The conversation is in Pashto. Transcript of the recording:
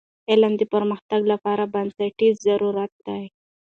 علم د پرمختګ لپاره بنسټیز ضرورت دی.